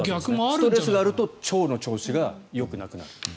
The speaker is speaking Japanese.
ストレスがあると腸の調子がよくなくなる。